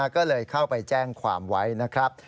ก็เลยเข้าไปแจ้งความไว้นะครับ